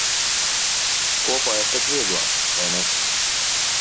Kopā ir tak vieglāk, vai ne?